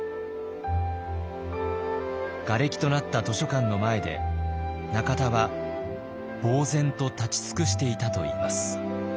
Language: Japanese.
がれきとなった図書館の前で中田はぼう然と立ち尽くしていたといいます。